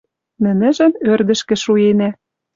Нӹнӹжӹм ӧрдӹжкӹ шуэнӓ